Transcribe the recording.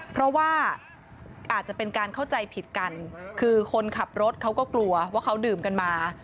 เพราะว่าอาจจะเป็นการเข้าใจผิดกันคือคนขับรถเขาก็กลัวว่าเขาดื่มกันมา